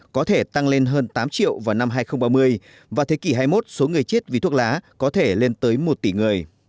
có thể tăng lên hơn tám triệu vào năm hai nghìn ba mươi và thế kỷ hai mươi một số người chết vì thuốc lá có thể lên tới một tỷ người